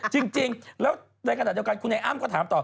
จริงแล้วในขณะเดียวกันคุณไอ้อ้ำก็ถามต่อ